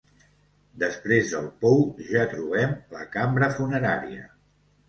Després del pou, ja trobem la cambra funerària.